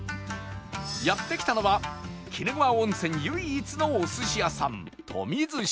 やって来たのは鬼怒川温泉唯一のお寿司屋さん